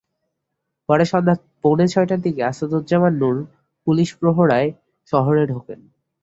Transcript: পরে সন্ধ্যা পৌনে ছয়টার দিকে আসাদুজ্জামান নূর পুলিশ প্রহরায় শহরে ঢোকেন।